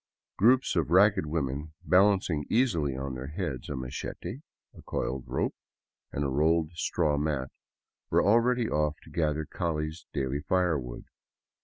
Groups of ragged women, balancing easily on their heads a machete, a coiled rope, and a rolled straw mat, were already off to gather Call's daily firewood.